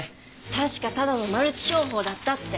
確かただのマルチ商法だったって。